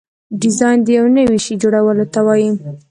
ډیزاین د یو نوي شي جوړولو ته وایي.